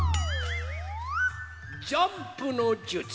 ジャンプのじゅつ！